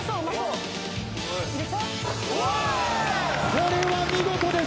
これは見事です。